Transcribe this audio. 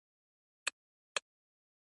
سیم په منظم ډول په میخ تاو کړئ.